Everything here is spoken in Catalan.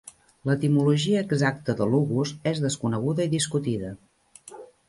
L'etimologia exacta de Lugus és desconeguda i discutida.